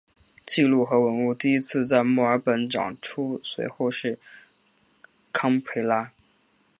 记录和文物第一次在墨尔本展出随后是堪培拉。